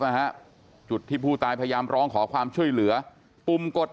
นะฮะจุดที่ผู้ตายพยายามร้องขอความช่วยเหลือปุ่มกด